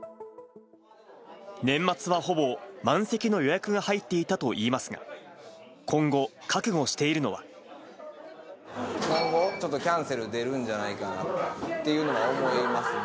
年末はほぼ満席の予約が入っていたといいますが、今後、今後、ちょっとキャンセル出るんじゃないかなっていうのは思いますね。